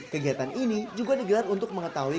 kegiatan ini juga digelar untuk mengetahui